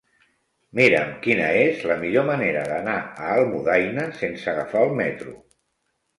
Mira'm quina és la millor manera d'anar a Almudaina sense agafar el metro.